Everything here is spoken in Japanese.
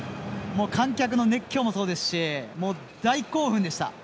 観客の熱狂もそうですし大興奮でした。